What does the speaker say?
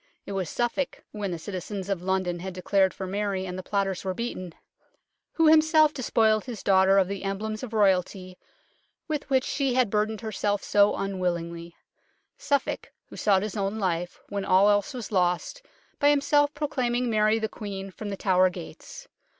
It was Suffolk, when the citizens of London had declared for Mary, and the plotters were beaten, who himself despoiled his daughter of the emblems of Royalty with which she had burdened herself so unwillingly ; Suffolk who sought his own life, when all else was lost, by himself proclaiming Mary the Queen from The Tower gates.